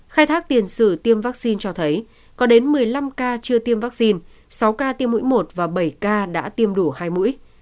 khai thác tiền sử tiêm vaccine cho thấy có đến một mươi năm ca chưa tiêm vaccine sáu ca tiêm mũi một và bảy ca đã tiêm đủ hai mũi